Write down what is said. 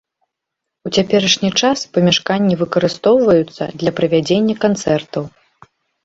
У цяперашні час памяшканні выкарыстоўваюцца для правядзення канцэртаў.